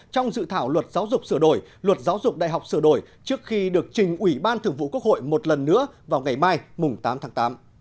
trong dự thảo luật giáo dục sửa đổi luật giáo dục đại học sửa đổi trước khi được trình ủy ban thường vụ quốc hội một lần nữa vào ngày mai tám tháng tám